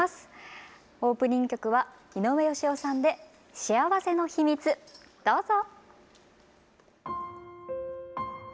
オープニング曲は井上芳雄さんで「幸せの秘密」どうぞ。